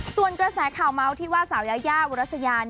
ส่วนกระแสข่าวเมาส์ที่ว่าสาวยายาอุรัสยา